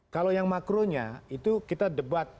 kalau yang makronya itu kita debat